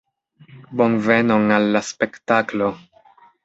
Bonvenon al la spektaklo!